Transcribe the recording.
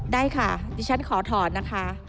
ได้ค่ะดิฉันขอถอนนะคะ